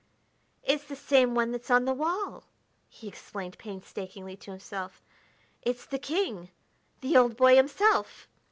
"It's the same one that's on the wall," he explained painstakingly to himself. "It's the king, the old boy himself!